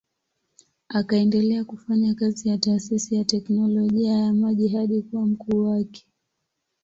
Akaendelea kufanya kazi ya taasisi ya teknolojia ya maji hadi kuwa mkuu wake.